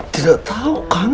tidak tahu kang